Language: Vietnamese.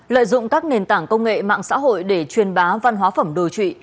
lợi dụng các nền tảng công nghệ mạng xã hội để truyền bá văn hóa phẩm đồ trụy